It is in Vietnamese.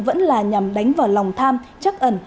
vẫn là nhằm đánh vào lòng tham chắc ẩn